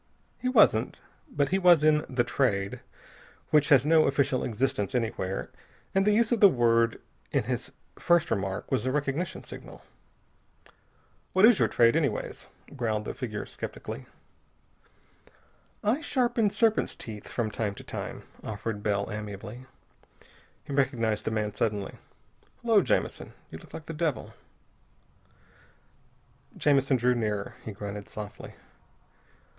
He wasn't. But he was in the Trade which has no official existence anywhere. And the use of the word in his first remark was a recognition signal. "What is your trade, anyways?" growled the figure skeptically. "I sharpen serpents' teeth from time to time," offered Bell amiably. He recognized the man, suddenly. "Hullo, Jamison, you look like the devil." Jamison drew nearer. He grunted softly.